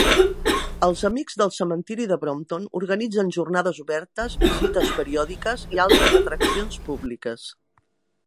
Els Amics del cementiri de Brompton organitzen jornades obertes, visites periòdiques i altres atraccions públiques.